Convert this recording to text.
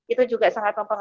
itu juga sangat penting